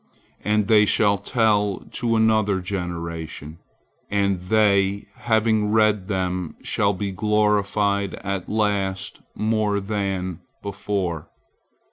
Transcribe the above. And they shall tell to another generation, and they, having read them, shall be glorified at last more than before."